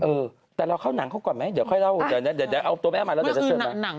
เออแต่เราเข้าหนังเขาก่อนไหม